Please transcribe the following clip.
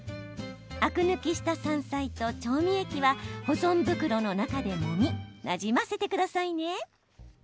アク抜きした山菜と調味液は保存袋の中でもみなじませてくださいね。